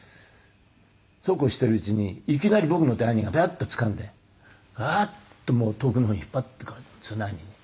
そうこうしているうちにいきなり僕の手を兄がビャッとつかんでワーッと遠くの方に引っ張っていかれたんですよね